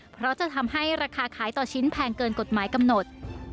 เพราะจะทำให้ราคาขายต่อชิ้นแพงเกินกฎหมายกำหนด